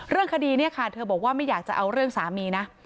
เรื่องคดีเนี่ยค่ะเธอบอกว่าไม่อยากจะเอาเรื่องสามีนะ